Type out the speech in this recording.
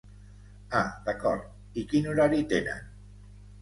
Ah d'acord, i quin horari tenen?